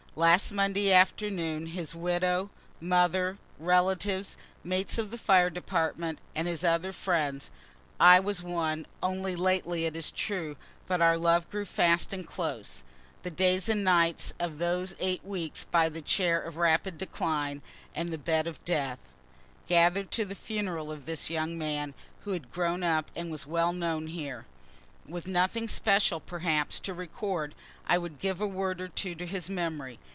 Last Monday afternoon his widow, mother, relatives, mates of the fire department, and his other friends, (I was one, only lately it is true, but our love grew fast and close, the days and nights of those eight weeks by the chair of rapid decline, and the bed of death,) gather'd to the funeral of this young man, who had grown up, and was well known here. With nothing special, perhaps, to record, I would give a word or two to his memory.